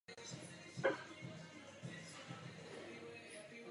Za prvé, podporování demokracie a zákonnosti.